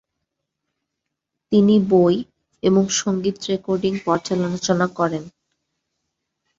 তিনি বই এবং সঙ্গীত রেকর্ডিং পর্যালোচনা করেন।